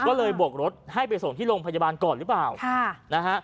ก็เลยบวกรถให้ไปส่งที่โรงพยาบาลก่อนหรือเปล่าค่ะนะฮะ